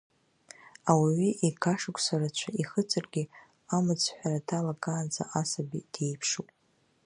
Ауаҩы ега шықәса рацәа ихыҵыргьы амыцҳәара далагаанӡа асаби диеиԥшуп.